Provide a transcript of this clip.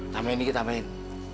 tamain lagi tamain